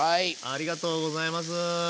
ありがとうございます。